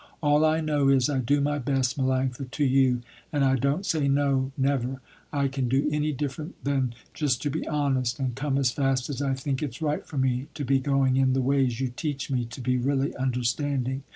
All I know is I do my best, Melanctha, to you, and I don't say, no, never, I can do any different than just to be honest and come as fast as I think it's right for me to be going in the ways you teach me to be really understanding.